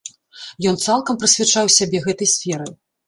Ён цалкам прысвячаў сябе гэтай сферы.